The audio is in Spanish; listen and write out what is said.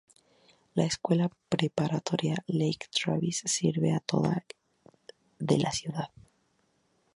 La Escuela Preparatoria Lake Travis sirve a toda de la ciudad.